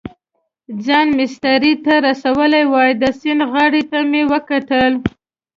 ځان مېسترې ته رسولی وای، د سیند غاړې ته مې وکتل.